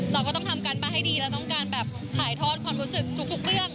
เราก็ต้องทำการบ้านให้ดีเราต้องการแบบถ่ายทอดความรู้สึกทุกเรื่อง